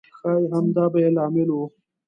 ښایي همدا به یې لامل و.